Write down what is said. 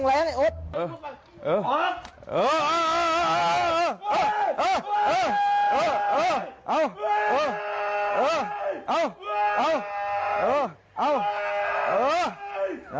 การโดย